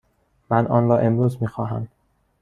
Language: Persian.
من آن را امروز می خواهم.